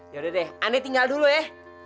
yaudah deh anda tinggal dulu ya